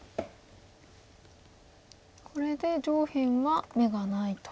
これで上辺は眼がないと。